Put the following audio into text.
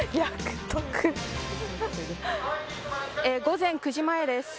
午前９時前です。